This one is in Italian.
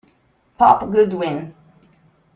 Pop Goodwin